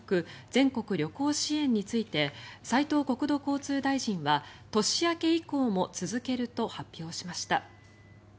全国旅行支援について斉藤国土交通大臣は年明け以降も続けると発表しました。